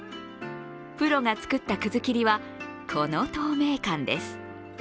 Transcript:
プロが作った葛切りは、この透明感です。